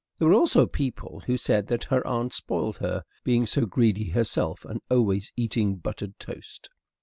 There were also people who said that her aunt spoiled her, being so greedy herself and always eating buttered toast.